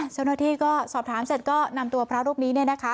เจ้าหน้าที่ก็สอบถามเสร็จก็นำตัวพระรูปนี้